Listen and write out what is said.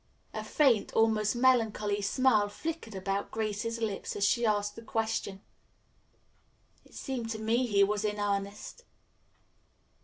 A faint, almost melancholy smile flickered about Grace's lips as she asked the question. "It seemed to me he was in earnest."